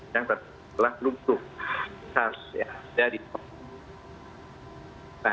yang tersebut adalah grup grup khas yang ada di hongkong